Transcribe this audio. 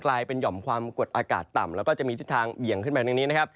กลายเป็นหย่อมความกดอากาศต่ำแล้วก็จะมีเส้นทางเหวี่ยงขึ้นแบบนี้